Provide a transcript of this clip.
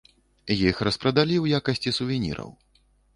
Іх распрадалі ў якасці сувеніраў.